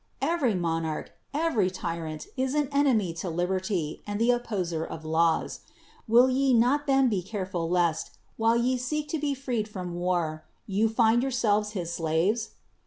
Every monarch, every tyrant is an enemy to liberty, and the opposer of laws. Will ye not then be careful lest, while ye seek to be freed from war, you find yourselves his slaves?"